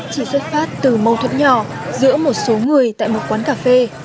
chỉ xuất phát từ mâu thuẫn nhỏ giữa một số người tại một quán cà phê